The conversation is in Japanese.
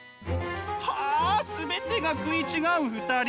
はあ全てが食い違う２人。